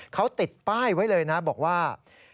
เขาติดป้ายไว้เลยนะบอกว่า